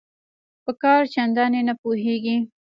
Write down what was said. په کار چنداني نه پوهیږي